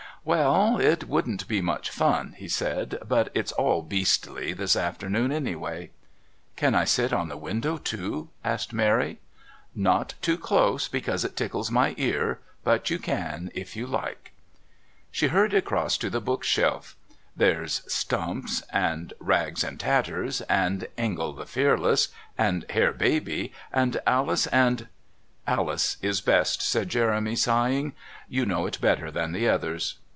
"Well, it wouldn't be much fun," he said, "but it's all beastly this afternoon, anyway." "Can I sit on the window too?" asked Mary. "Not too close, because it tickles my ear, but you can if you like." She hurried across to the bookshelf. "There's 'Stumps' and 'Rags and Tatters,' and 'Engel the Fearless,' and 'Herr Baby' and 'Alice' and " "'Alice' is best," said Jeremy, sighing. "You know it better than the others."